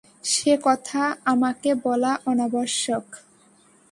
সে কথা আমাকে বলা অনাবশ্যক।